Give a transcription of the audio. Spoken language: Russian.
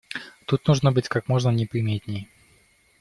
Тут нужно быть как можно неприметнее.